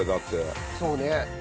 そうね。